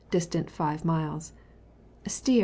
distant 5 miles : steer N.